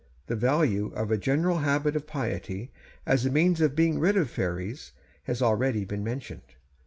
The value of a general habit of piety, as a means of being rid of fairies, has already been mentioned.